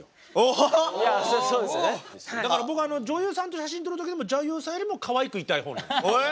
だから僕女優さんと写真撮る時でも女優さんよりもかわいくいたい方なんです。